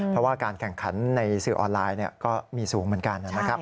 เพราะว่าการแข่งขันในสื่อออนไลน์ก็มีสูงเหมือนกันนะครับ